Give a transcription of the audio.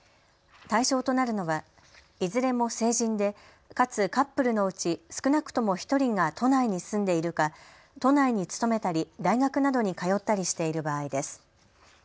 対象となるのはいずれも成人でかつカップルのうち、少なくとも１人が都内に住んでいるか都内に勤めたり大学などに通ったりしている場合です。